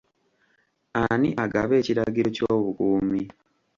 Ani agaba ekiragiro ky'obukuumi?